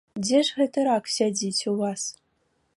Дзе ж гэты рак сядзіць у вас?